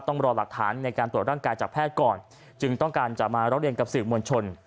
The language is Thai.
ต้องรอหลักฐานในการตรวจร่างกายจากแพทย์ก่อนจึงต้องการจะมาร้องเรียนกับสื่อมวลชน